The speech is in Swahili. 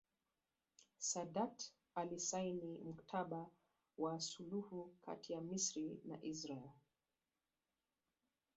Saadat alisaini Mkataba wa suluhu kati ya Misri na Israeli